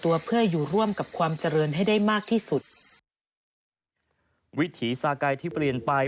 วิถีซากัยที่เปลี่ยนไป